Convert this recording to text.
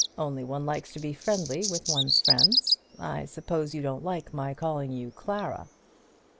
Only one likes to be friendly with one's friends. I suppose you don't like my calling you Clara."